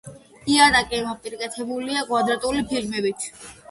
იატაკი მოპირკეთებულია კვადრატული ფილებით.